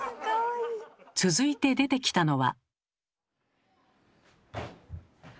続いて出てきたのは。